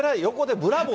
ブラボー。